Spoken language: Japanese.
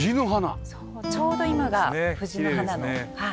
ちょうど今がフジの花の。